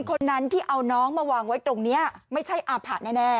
คนนั้นที่เอาน้องมาวางไว้ตรงนี้ไม่ใช่อาผะแน่